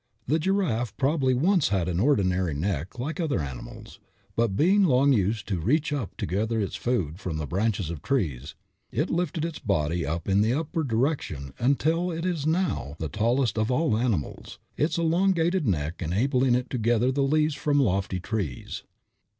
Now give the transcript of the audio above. The giraffe probably once had only an ordinary neck, like other animals, but being long used to reach up to gather its food from the branches of trees, it lifted its body in the upward direction until it is now the tallest of all animals, its elongated neck enabling it to gather the leaves from lofty trees.